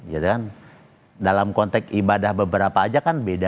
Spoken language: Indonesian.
jadi kan dalam konteks ibadah beberapa aja kan beda